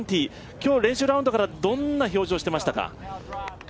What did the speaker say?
今日練習ラウンドからどんな表情してましたか？